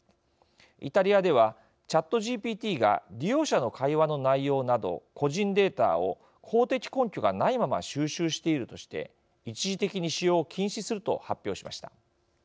イタリアではＣｈａｔＧＰＴが利用者の会話の内容など個人データを法的根拠がないまま収集しているとして一時的に使用を禁止すると発表しました。